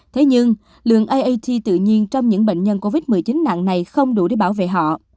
thế nhưng lượng iat tự nhiên trong những bệnh nhân covid một mươi chín nặng này không đủ để bảo vệ họ